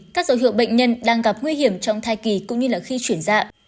các dấu hiệu bệnh nhân đang gặp nguy hiểm trong thai kỳ cũng như khi chuyển dạng